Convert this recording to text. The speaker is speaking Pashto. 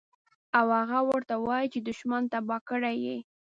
او هغه ورته وائي چې دشمن تباه کړے ئې